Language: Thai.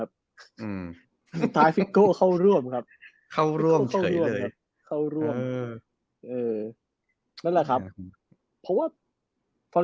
อืมท้ายฟิโกเข้าร่วมครับเข้าร่วมเฉยเลยเข้าร่วมเออ